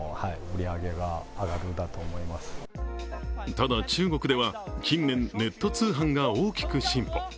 ただ、中国では近年ネット通販が大きく進歩。